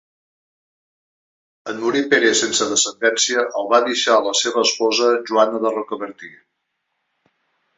En morir Pere sense descendència, el va deixar a la seva esposa Joana de Rocabertí.